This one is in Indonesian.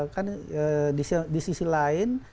kan di sisi lain